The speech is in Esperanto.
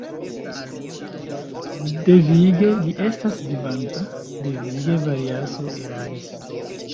Devige li estas vivanta; devige Variaso eraris.